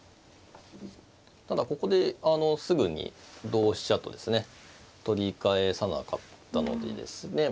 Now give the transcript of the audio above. ただここですぐに同飛車とですね取り返さなかったのでですね